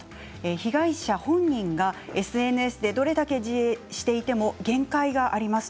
被害者本人がＳＮＳでどれだけ自衛していても限界があります。